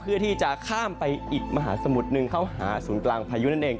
เพื่อที่จะข้ามไปอีกมหาสมุทรหนึ่งเข้าหาศูนย์กลางพายุนั่นเอง